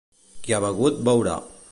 Qui ha begut, beurà.